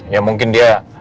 ya mungkin dia